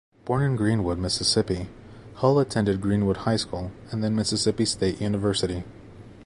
Born in Greenwood, Mississippi, Hull attended Greenwood High School and then Mississippi State University.